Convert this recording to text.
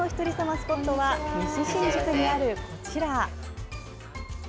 スポットは西新宿にある、こちら。